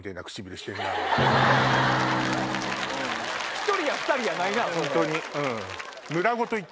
１人や２人やないな。